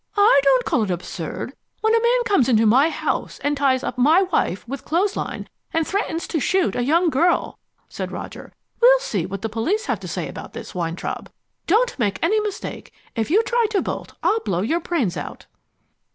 "I don't call it absurd when a man comes into my house and ties my wife up with clothesline and threatens to shoot a young girl," said Roger. "We'll see what the police have to say about this, Weintraub. Don't make any mistake: if you try to bolt I'll blow your brains out."